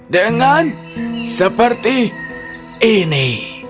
dengan seperti ini